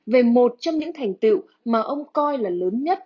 về một trong những thành tựu mà ông coi là lớn nhất